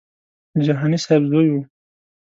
د جهاني صاحب زوی و.